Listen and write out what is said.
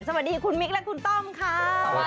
สวัสดีคุณมิกและคุณต้อมค่ะ